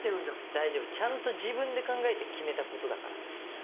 大丈夫ちゃんと自分で考えて決めたことだから。